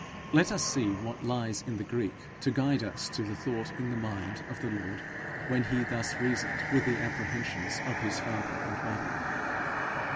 Let us see what lies in the Greek to guide us to the thought in the mind of the Lord when he thus reasoned with the apprehensions of his father and mother.